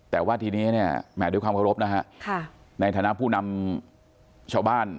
แต่ว่าทีนี้เนี่ยแหมด้วยความเคารพนะฮะในฐานะผู้นำชาวบ้าน